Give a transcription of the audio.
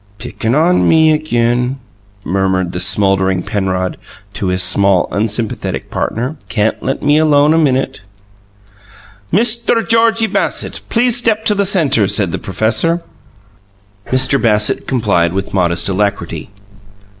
"Pickin' on me again!" murmured the smouldering Penrod to his small, unsympathetic partner. "Can't let me alone a minute!" "Mister Georgie Bassett, please step to the centre," said the professor. Mr. Bassett complied with modest alacrity.